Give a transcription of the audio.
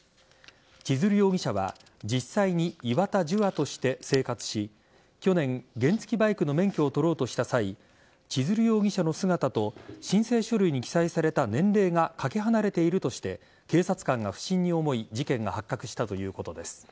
千鶴容疑者は実際に岩田樹亞として生活し去年、原付バイクの免許を取ろうとした際千鶴容疑者の姿と申請書類に記載された年齢がかけ離れているとして警察官が不審に思い事件が発覚したということです。